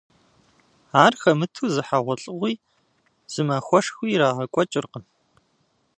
Ар хэмыту зы хьэгъуэлӏыгъуи, зы махуэшхуи ирагъэкӏуэкӏыркъым.